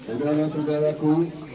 berdoa sama saudaraku